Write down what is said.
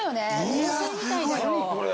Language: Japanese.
合成みたいだよ。